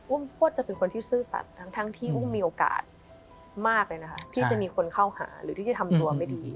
พวกจะเป็นคนที่ซื่อสัตว์ทั้งที่อุ้มมีโอกาสมากเลยนะคะที่จะมีคนเข้าหาหรือที่จะทำตัวไม่ดี